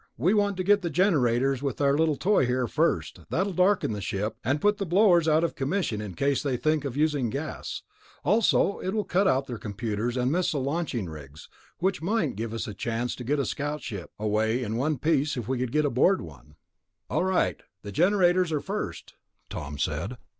We want to get the generators with our little toy here first. That'll darken the ship, and put the blowers out of commission in case they think of using gas. Also, it will cut out their computers and missile launching rigs, which might give us a chance to get a scout ship away in one piece if we could get aboard one." "All right, the generators are first," Tom said.